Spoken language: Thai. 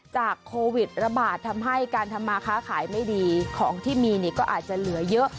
โควิดระบาดทำให้การทำมาค้าขายไม่ดีของที่มีนี่ก็อาจจะเหลือเยอะ